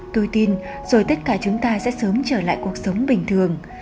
tôi tin rồi tất cả chúng ta sẽ sớm trở lại cuộc sống bình thường